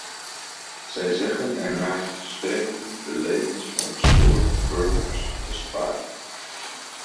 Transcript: Zij zeggen ernaar te streven de levens van onschuldige burgers te sparen.